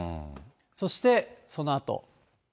そしてそのあと。